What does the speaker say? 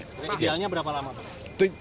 idealnya berapa lama